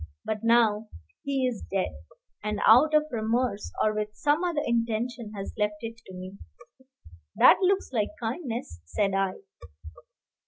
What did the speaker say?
But now he is dead, and out of remorse, or with some other intention, has left it to me." "That looks like kindness," said I.